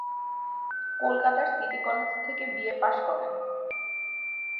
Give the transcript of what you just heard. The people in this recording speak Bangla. কলকাতার সিটি কলেজ থেকে বিএ পাশ করেন।